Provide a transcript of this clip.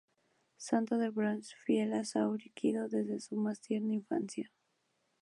Santo de Bronce, fiel a Saori Kido desde su más tierna infancia.